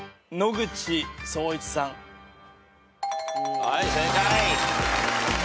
はい正解。